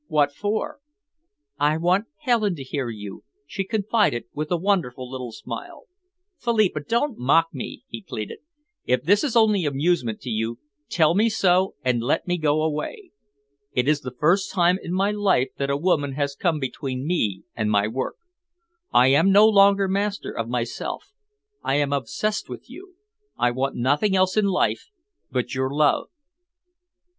"What for?" "I want Helen to hear you," she confided, with a wonderful little smile. "Philippa, don't mock me," he pleaded. "If this is only amusement to you, tell me so and let me go away. It is the first time in my life that a woman has come between me and my work. I am no longer master of myself. I am obsessed with you. I want nothing else in life but your love."